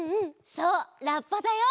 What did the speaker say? そうラッパだよ！